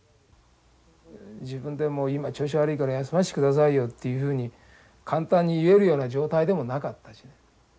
自分でも「今調子悪いから休ましてくださいよ」っていうふうに簡単に言えるような状態でもなかったし。